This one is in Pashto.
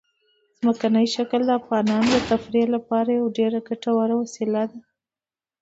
ځمکنی شکل د افغانانو د تفریح لپاره یوه ډېره ګټوره وسیله ده.